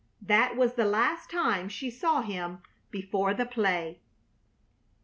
That was the last time she saw him before the play.